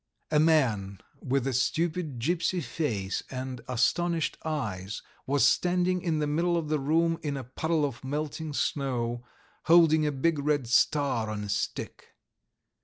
A man, with a stupid, gipsy face and astonished eyes, was standing in the middle of the room in a puddle of melting snow, holding a big red star on a stick.